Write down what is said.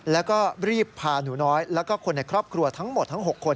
แล้วก็รีบพาหนูน้อยแล้วก็คนในครอบครัวทั้งหมดทั้ง๖คน